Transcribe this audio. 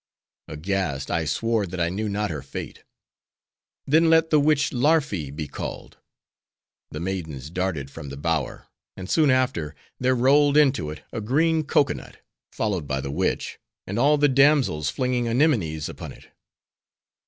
Aghast, I swore that I knew not her fate. 'Then let the witch Larfee be called!' The maidens darted from the bower; and soon after, there rolled into it a green cocoa nut, followed by the witch, and all the damsels, flinging anemones upon it.